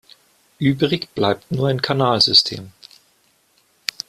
Übrig bleibt nur ein Kanalsystem.